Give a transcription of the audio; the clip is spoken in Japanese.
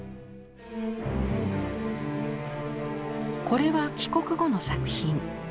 これは帰国後の作品。